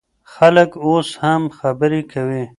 خلک اوس هم خبرې کوي.